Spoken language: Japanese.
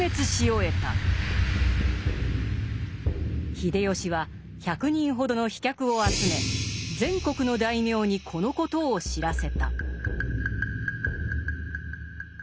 秀吉は１００人ほどの飛脚を集め全国の大名にこのことを知らせた。